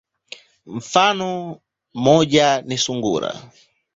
Mfano moja ni sungura.